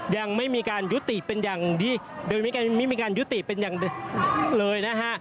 ยังไม่มีการยุติเป็นอย่างเลยนะครับ